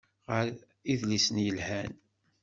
Ɣer idlisen yelhan.